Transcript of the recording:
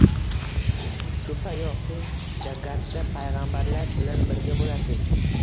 Shubha yo‘q, siz jaggatda payg‘ambarlar bilan birga bo‘lasiz